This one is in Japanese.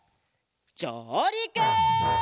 じょうりく！